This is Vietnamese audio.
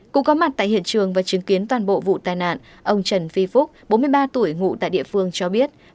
cũng có mặt tại hiện trường và chứng kiến toàn bộ vụ tai nạn ông trần phi phúc bốn mươi ba tuổi ngụ tại địa phương cho biết